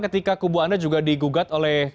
ketika kubu anda juga digugat oleh